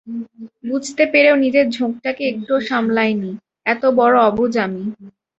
বুঝতে পেরেও নিজের ঝোঁকটাকে একটুও সামালাই নি, এতবড়ো অবুঝ আমি।